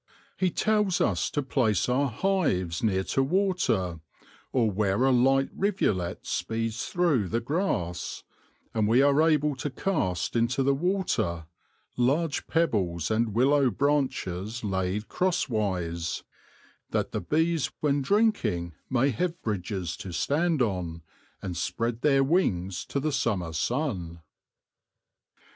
He tells us to place our hives near to water, or where a light rivulet speeds through the grass ; and we are to cast into the water " large pebbles and willow branches laid cross wise, that the 4 THE LORE OF THE HONEY BEE bees, when drinking, may have bridges to stand on, and spread their wings to the summer sun."